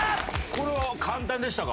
これは簡単でしたか？